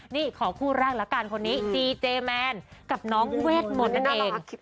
นี่ขอคู่แรกละกันคนนี้จีเจแมนกับน้องเวทมนต์นั่นเอง